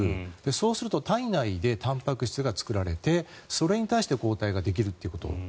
そうすると体内でたんぱく質が作られてそれに対して抗体ができるということ。